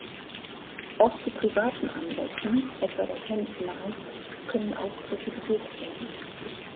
Auch zu privaten Anlässen, etwa der Hen Night, können Auftritte gebucht werden.